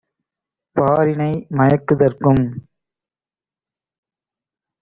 பாரினை மயக்கு தற்கும்